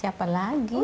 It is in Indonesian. iya lah siapa lagi